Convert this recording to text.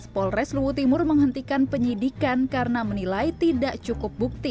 polres luwu timur menghentikan penyidikan karena menilai tidak cukup bukti